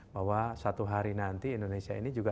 bahwa satu hari nanti indonesia ini juga